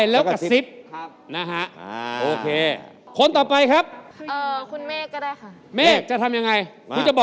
แล้วเป็นอย่างอะไร